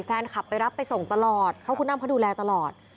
แฟนคลับไปรับไปส่งตลอดเพราะคุณอ้ำเขาดูแลตลอด